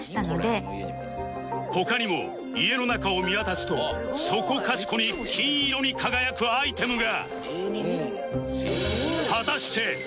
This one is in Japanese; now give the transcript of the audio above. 他にも家の中を見渡すとそこかしこに金色に輝くアイテムが